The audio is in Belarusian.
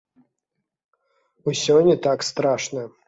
Усё не так страшна.